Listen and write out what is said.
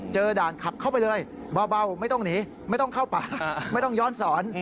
ด่านขับเข้าไปเลยเบาไม่ต้องหนีไม่ต้องเข้าป่าไม่ต้องย้อนสอน